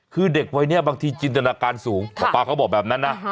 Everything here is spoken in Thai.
คือเด็กวัยนี้บางทีจินตนาการสูงหมอปลาเขาบอกแบบนั้นนะ